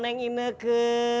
neng ini ke